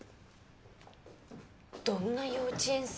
どんな幼稚園生？